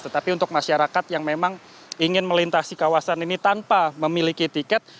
tetapi untuk masyarakat yang memang ingin melintasi kawasan ini tanpa memiliki tiket